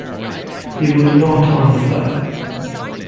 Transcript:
He would not answer.